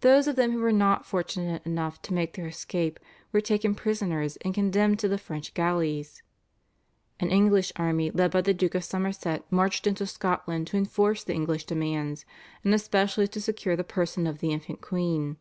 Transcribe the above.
Those of them who were not fortunate enough to make their escape were taken prisoners and condemned to the French galleys. An English army led by the Duke of Somerset marched into Scotland to enforce the English demands, and especially to secure the person of the infant queen.